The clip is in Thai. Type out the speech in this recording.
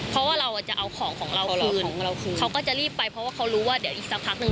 เพราะว่าเราจะเอาของของเราคืนของเราคืนเขาก็จะรีบไปเพราะว่าเขารู้ว่าเดี๋ยวอีกสักพักหนึ่ง